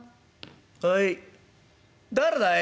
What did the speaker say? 「はい誰だい？」。